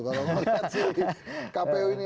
kalau mau lihat sih kpu ini